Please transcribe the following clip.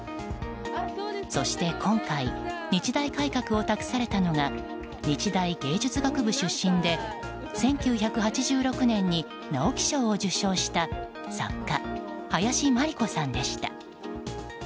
そして今回日大改革を託されたのが日大芸術学部出身で１９８６年に直木賞を受賞した作家・林真理子さんでした。